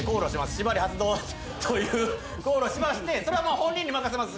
しばり発動というコールをしまして、それは本人に任せます。